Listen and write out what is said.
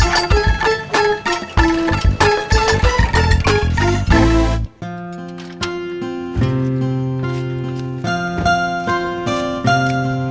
itu dokter kamu